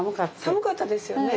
寒かったですよね。